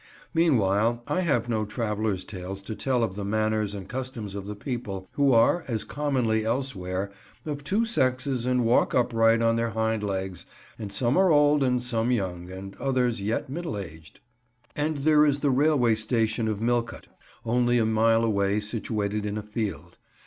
Meanwhile, I have no travellers' tales to tell of the manners and customs of the people, who are, as commonly elsewhere, of two sexes and walk upright on their hind legs, and some are old and some young, and others yet middle aged. And there is the railway station of Milcote, only a mile away, situated in a field.